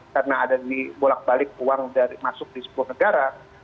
karena ada di bolak balik uang masuk di sebuah negara